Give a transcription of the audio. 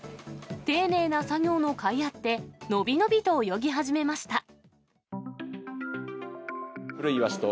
丁寧な作業のかいあって、伸び伸びと泳ぎ始めました。